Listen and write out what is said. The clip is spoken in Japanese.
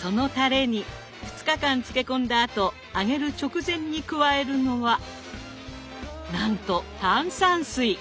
そのたれに２日間漬け込んだあと揚げる直前に加えるのはなんと炭酸水。